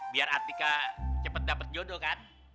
biar atika cepat dapet jodoh kan